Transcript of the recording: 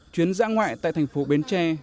chuyến giã ngoại tại thành phố bến tre